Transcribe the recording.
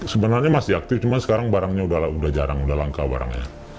sebenarnya masih aktif cuma sekarang barangnya udah jarang udah langka barang ya